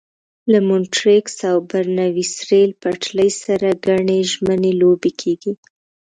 له مونټریکس او برنویس ریل پټلۍ سره ګڼې ژمنۍ لوبې کېږي.